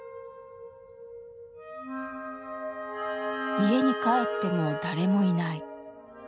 家に帰っても誰もいない。